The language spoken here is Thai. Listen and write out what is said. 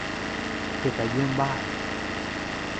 เคยไปเยี่ยมบ้าน